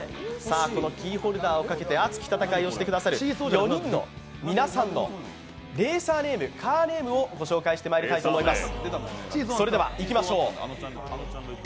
このキーホルダーをかけて、熱き戦いをしてくださる４人の皆さんのレーサーネームカーネームをご紹介してまいりたいと思います。